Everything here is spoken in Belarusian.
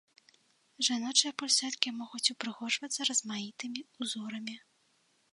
Жаночыя пульсэткі могуць упрыгожвацца размаітымі ўзорамі.